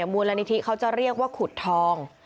มูลนิธิเขาจะเรียกว่าขุดทอง